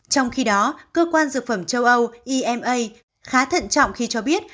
trong khi đó cơ quan dược phẩm châu âu ema khá thận trọng khi cho biết